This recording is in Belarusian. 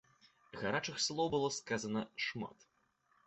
Гарачых слоў было сказана шмат.